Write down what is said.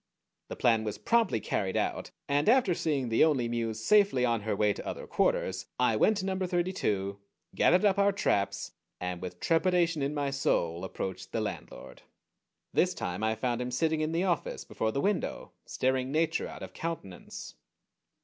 The plan was promptly carried out, and after seeing the Only Muse safely on her way to other quarters I went to number thirty two, gathered up our traps, and with trepidation in my soul approached the landlord. This time I found him sitting in the office, before the window, staring Nature out of countenance.